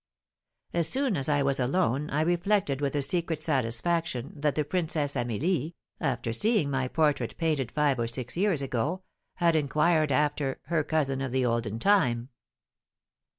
As soon as I was alone I reflected with a secret satisfaction that the Princess Amelie, after seeing my portrait, painted five or six years ago, had inquired after "her cousin of the olden time."